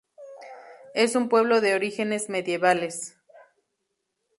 Es un pueblo de orígenes medievales.